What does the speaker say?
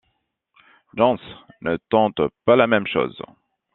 John's ne tentent pas la même chose.